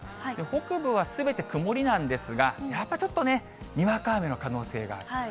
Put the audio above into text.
北部はすべて曇りなんですが、やっぱりちょっとね、にわか雨の可能性がある。